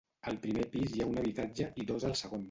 Al primer pis hi ha un habitatge i dos al segon.